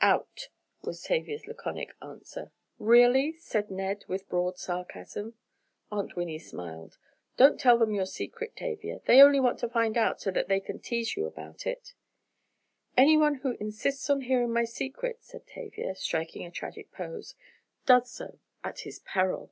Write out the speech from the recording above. "Out," was Tavia's laconic answer. "Really!" said Ned, with broad sarcasm. Aunt Winnie smiled. "Don't tell them your secret, Tavia; they only want to find out so that they can tease you about it." "Anyone who insists on hearing my secret," said Tavia, striking a tragic pose, "does so at his peril!"